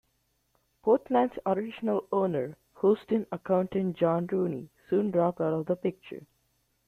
Portland's original owner, Houston accountant John Rooney, soon dropped out of the picture.